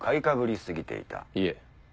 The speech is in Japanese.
いえ。